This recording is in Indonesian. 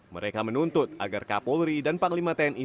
mereka menuntut agar kapolri dan panglima tni